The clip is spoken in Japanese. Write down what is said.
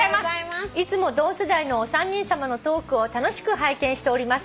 「いつも同世代のお三人さまのトークを楽しく拝見しております」